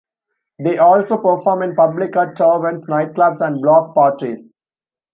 They also perform in public at taverns, nightclubs, and block parties.